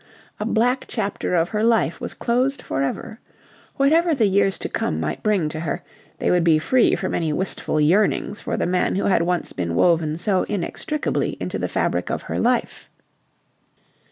A black chapter of her life was closed for ever. Whatever the years to come might bring to her, they would be free from any wistful yearnings for the man who had once been woven so inextricably into the fabric of her life.